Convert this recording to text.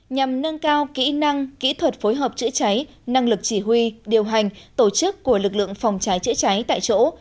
nhằm nâng cao kỹ năng kỹ thuật phối hợp chữa cháy năng lực chỉ huy điều hành tổ chức của lực lượng phòng cháy chữa cháy tại chỗ